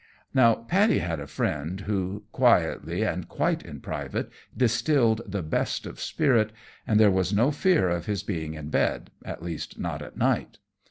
Now Paddy had a friend who, quietly and quite in private, distilled the best of spirit, and there was no fear of his being in bed at least, not at night.